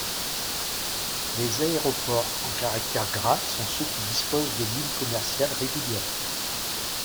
Les aéroports en caractères gras sont ceux qui disposent de lignes commerciales régulières.